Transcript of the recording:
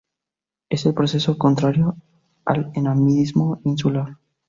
Es el proceso contrario al enanismo insular.